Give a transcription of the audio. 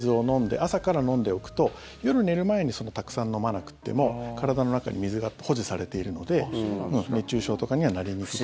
塩分をちょっと夏は多めに取って水を飲んで、朝から飲んでおくと夜寝る前にたくさん飲まなくても体の中に水が保持されているので熱中症とかにはなりにくくなると。